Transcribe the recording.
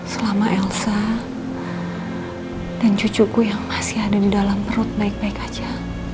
selama elsa dan cucuku yang masih ada di dalam perut baik baik aja